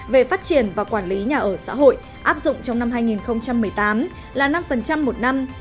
về phát triển và quản lý nhà ở xã hội áp dụng trong năm hai nghìn một mươi tám là năm một năm